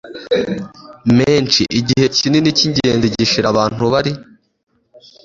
menshi igihe kinini cyingenzi gishira abantu bari